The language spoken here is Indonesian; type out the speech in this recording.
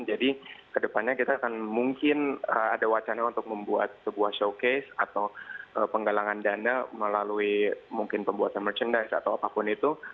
jadi kedepannya kita akan mungkin ada wacana untuk membuat sebuah showcase atau penggalangan dana melalui mungkin pembuatan merchandise atau apapun itu